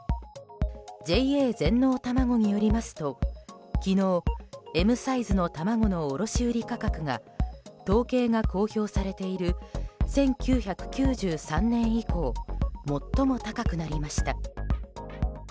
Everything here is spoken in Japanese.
ＪＡ全農たまごによりますと昨日、Ｍサイズの卵の卸売価格が統計が公表されている１９９３年以降最も高くなりました。